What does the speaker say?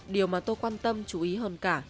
điều mà tôi quan tâm chú ý hơn cả